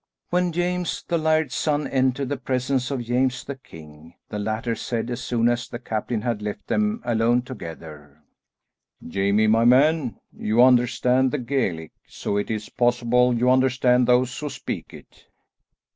When James the laird's son, entered the presence of James the king, the latter said as soon as the captain had left them alone together, "Jamie, my man, you understand the Gaelic, so it is possible you understand those who speak it."